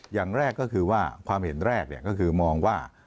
อย่างแรกก็คือว่าความเห็นแรกก็คือมองว่า